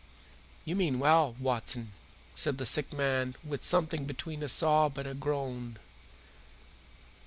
"You mean well, Watson," said the sick man with something between a sob and a groan.